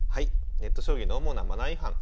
「ネット将棋の主なマナー違反」。